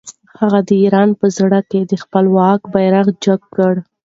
هغه د ایران په زړه کې د خپل واک بیرغ جګ کړ.